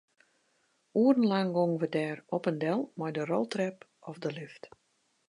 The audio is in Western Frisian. Oerenlang gongen wy dêr op en del mei de roltrep of de lift.